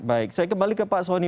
baik saya kembali ke pak soni